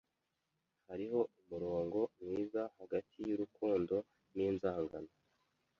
Hariho umurongo mwiza hagati y'urukundo n'inzangano.